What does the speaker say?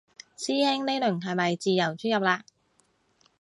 師兄呢輪係咪自由出入嘞